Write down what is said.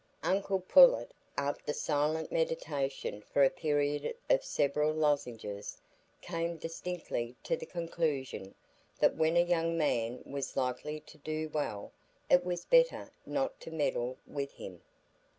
Uncle Pullet, after silent meditation for a period of several lozenges, came distinctly to the conclusion, that when a young man was likely to do well, it was better not to meddle with him.